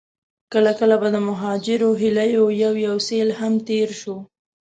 کله کله به د مهاجرو هيليو يو يو سيل هم تېر شو.